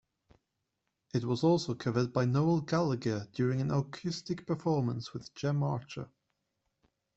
It was also covered by Noel Gallagher during an acoustic performance with Gem Archer.